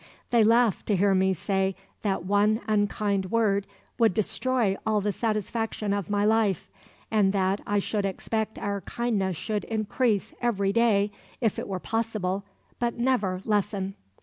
They laugh to hear me say that one unkind word would destroy all the satisfaction of my life, and that I should expect our kindness should increase every day, if it were possible, but never lessen."